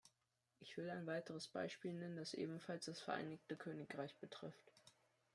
Ich will ein weiteres Beispiel nennen, das ebenfalls das Vereinigte Königreich betrifft.